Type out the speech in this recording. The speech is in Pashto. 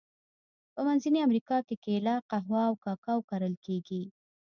په منځنۍ امریکا کې کېله، قهوه او کاکاو کرل کیږي.